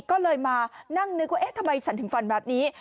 ก็เลยมานั่งนึกว่าเอ๊ะทำไมฉันถึงฝันแบบนี้